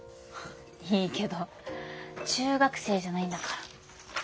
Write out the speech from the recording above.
いいけど中学生じゃないんだから。